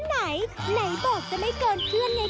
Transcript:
ไหนไหนบอกจะไม่เกินเพื่อนไง